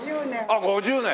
あっ５０年。